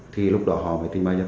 thì lúc đó họ mới tìm ra người ta